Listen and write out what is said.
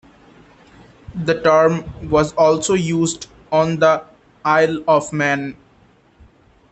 The term was also used on the Isle of Man.